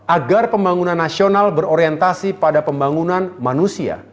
agar pembangunan nasional berorientasi pada pembangunan manusia